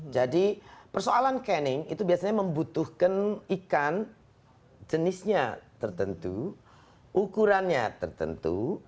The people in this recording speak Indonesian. jadi persoalan canning itu biasanya membutuhkan ikan jenisnya tertentu ukurannya tertentu